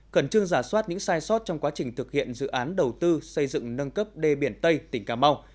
cần chương giả soát những sai sót trong quá trình thực hiện dự án đầu tư xây dựng nâng cấp d biển tây tỉnh cà mau